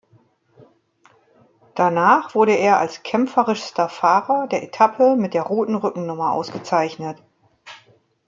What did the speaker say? Danach wurde er als kämpferischster Fahrer der Etappe mit der Roten Rückennummer ausgezeichnet.